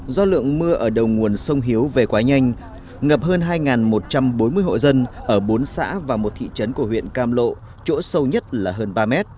do lượng mưa ở đầu nguồn sông hiếu về quá nhanh ngập hơn hai một trăm bốn mươi hộ dân ở bốn xã và một thị trấn của huyện cam lộ chỗ sâu nhất là hơn ba mét